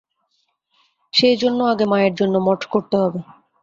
সেইজন্য আগে মায়ের জন্য মঠ করতে হবে।